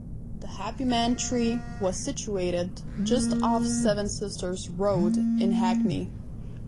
The Happy Man Tree was situated just off Seven Sisters Road in Hackney.